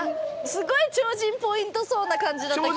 すごい超人ポイントそうな感じだった。